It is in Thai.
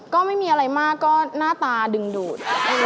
ก็ไม่มีอะไรมากก็หน้าตาดึงดูด